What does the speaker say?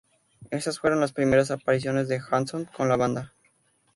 Esas fueron las primeras apariciones de Hanson con la banda.